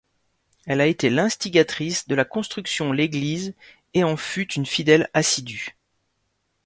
Elle a été l’instigatrice de la construction l’église et en fut une fidèle assidue.